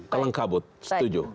kalau kabut setuju